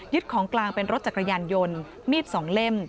ของกลางเป็นรถจักรยานยนต์มีด๒เล่ม